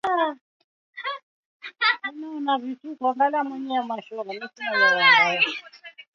Nataka kupigana na yule anaye niita mnyonge.